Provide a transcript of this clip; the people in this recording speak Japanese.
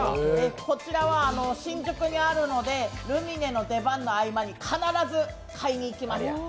こちらは新宿にあるので、ルミネの出番の合間に必ず買います。